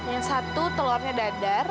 yang satu telurnya dadar